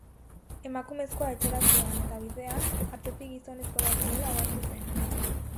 Emakumezkoa etxera zihoan eta bidean, atzetik gizonezko bat zuela ohartu zen.